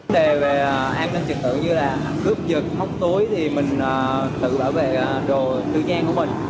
trực tượng như là cướp giật móc túi thì mình tự bảo vệ đồ tư giang của mình